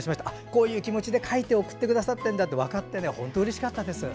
こういう気持ちで描いて送ってくださってるんだと分かったのがうれしかったです。